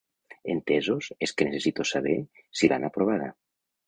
Entesos es que necessito saber si l,han aprovada.